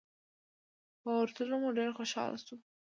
په ورتلو مو ډېر خوشاله شو.